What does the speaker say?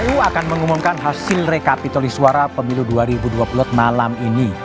kpu akan mengumumkan hasil rekapituli suara pemilu dua ribu dua puluh malam ini